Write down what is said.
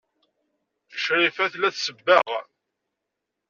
Crifa tella tsebbeɣ.